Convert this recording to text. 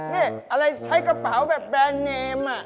นี่อะไรใช้กระเป๋าแบบแบรนดเนม